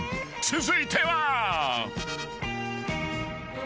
［続いては］